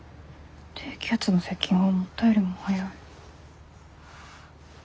低気圧の接近が思ったよりも早い。